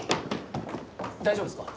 大丈夫ですか？